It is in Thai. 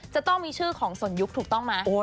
จะต้องมีชื่อของสนยุคถูกต้องไหม